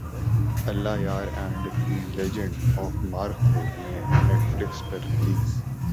Allah Yar and the legend of Markhor Netflix پر release